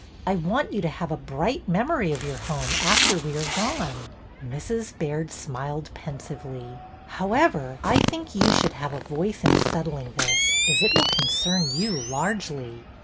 I want you to have a bright memory of your home after we are gone." Mrs. Baird smiled pensively. " How ever, I think you should have a voice in settling this, as it will concern you largely."